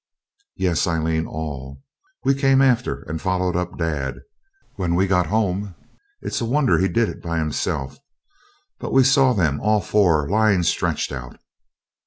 'Yes, Aileen, all. We came after and followed up dad, when we got home; it's a wonder he did it by himself. But we saw them all four lying stretched out.'